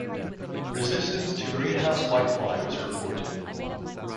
Resistance to Greenhouse whitefly was reported.